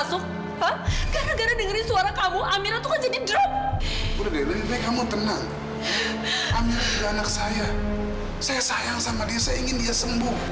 saya sayang sama dia saya ingin dia sembuh